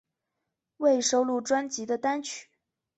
未收录专辑的单曲